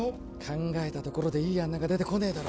考えたところでいい案なんか出てこねえだろ